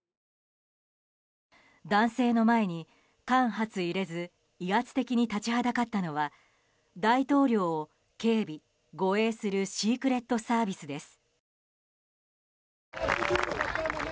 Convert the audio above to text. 男性の前に間髪入れず威圧的に立ちはだかったのは大統領を警備・護衛するシークレットサービスです。